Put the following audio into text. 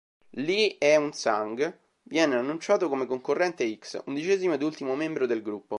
Lee Eun-sang viene annunciato come concorrente X, undicesimo ed ultimo membro del gruppo.